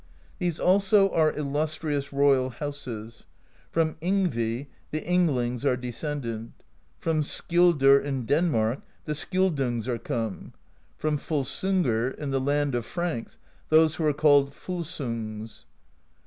These also are illustrious royal houses: fromYngvi, the Ynglings are descended; from Skjoldr in Denmark, the Skjoldungs are come ; from Volsungr in the land of Franks, those who are called Volsungs.